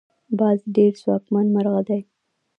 باز ډیر ځواکمن مرغه دی